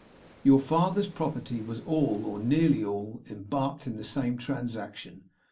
Your father's property was all, or nearly all, embarked in the same transaction.